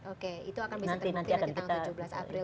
oke itu akan bisa terbukti nanti tanggal tujuh belas april